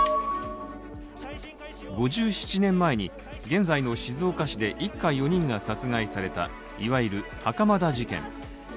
５７年前に現在の静岡市で一家４人が殺害された、いわゆる袴田事件。